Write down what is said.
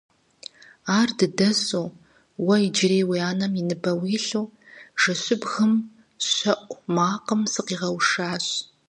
Ур дыдэсу, уэ иджыри уи анэ и ныбэ уилъу, жэщыбгым щэӀу макъым сыкъигъэушащ.